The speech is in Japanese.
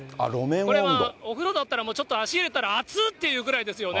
これはお風呂だったら、ちょっと足入れたら、あつってぐらいですよね。